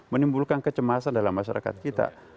menimbulkan kecemasan dalam masyarakat kita